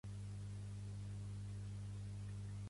A Nate gairebé mai no se'l veu mai cantant.